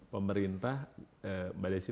pemerintah mbak desy